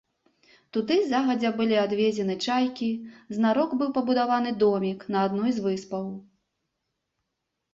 Туды загадзя былі адвезены чайкі, знарок быў пабудаваны домік на адной з выспаў.